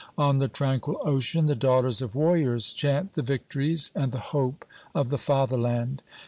On the tranquil ocean the daughters of warriors chant the victories and the hope of the fatherland.